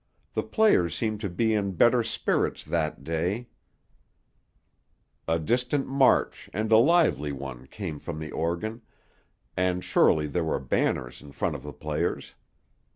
The players seemed to be in better spirits that day" A distant march, and a lively one, came from the organ, and surely there were banners in front of the players.